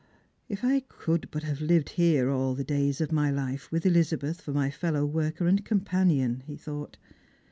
" If I could but have lived here all the days of my life with Elizabeth for my fellow worker and companion !" he thought.